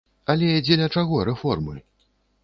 Але дзеля чаго рэформы?